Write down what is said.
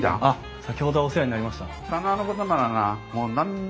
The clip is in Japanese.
あっ先ほどはお世話になりました。